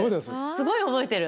すごい覚えてる。